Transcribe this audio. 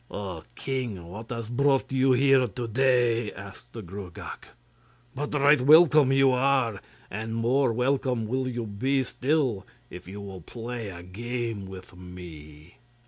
'O king, what has brought you here to day?' asked the Gruagach. 'But right welcome you are, and more welcome will you be still if you will play a game with me.